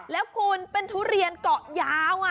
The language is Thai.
แล้วคุณเป็นทุเรียนเกาะยาว